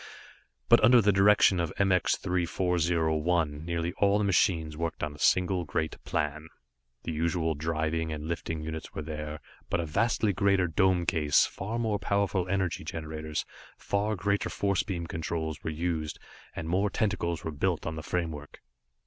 But under the direction of MX 3401, nearly all the machines worked on a single great plan. The usual driving and lifting units were there, but a vastly greater dome case, far more powerful energy generators, far greater force beam controls were used and more tentacles were built on the framework.